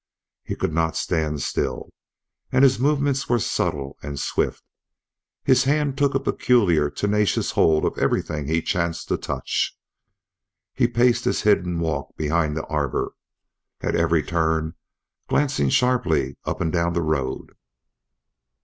He could not stand still, and his movements were subtle and swift. His hands took a peculiar, tenacious, hold of everything he chanced to touch. He paced his hidden walk behind the arbor, at every turn glancing sharply up and down the road.